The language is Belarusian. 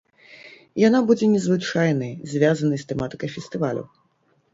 Яна будзе незвычайнай, звязанай з тэматыкай фестывалю.